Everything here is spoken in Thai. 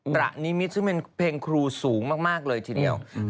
ระนิมิตรซึ่งเป็นเพลงครูสูงมากเลยทีเดียว